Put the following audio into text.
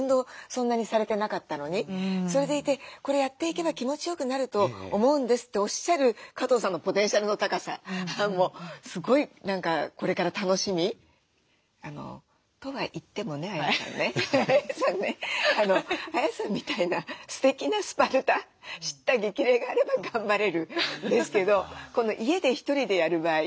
そんなにされてなかったのにそれでいて「これやっていけば気持ちよくなると思うんです」っておっしゃる加藤さんのポテンシャルの高さすごい何かこれから楽しみ。とは言ってもねＡＹＡさんねＡＹＡさんみたいなすてきなスパルタ叱咤激励があれば頑張れるんですけど家で１人でやる場合